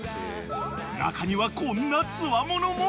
［中にはこんなつわものも］